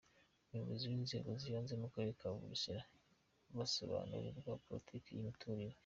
Abayobozi b’inzego z’ibanze mu Karere ka Bugesera basobanurirwa Politiki y’imiturire.